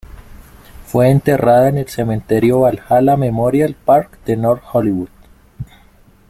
Fue enterrada en el Cementerio Valhalla Memorial Park de North Hollywood.